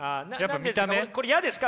これ嫌ですか？